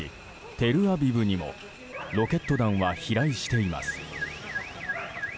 テルアビブにもロケット弾は飛来しています。